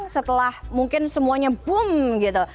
setelah mungkin semuanya boom gitu